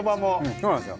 そうなんすよ。